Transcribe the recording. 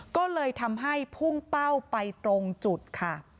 ก็เลยทำให้พุ่งเป้าไปตรงจุดค่ะ